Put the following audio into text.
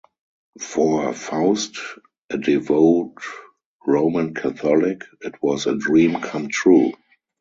For Faust, a devout Roman Catholic, it was a dream come true.